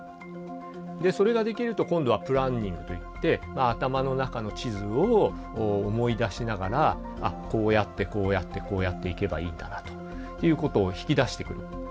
でそれができると今度はプランニングといって頭の中の地図を思い出しながら「あっこうやってこうやってこうやって行けばいいんだな」ということを引き出してくる。